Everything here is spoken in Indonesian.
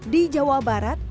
di jawa barat